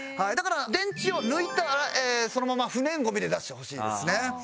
だから電池を抜いてからそのまま不燃ゴミで出してほしいですね。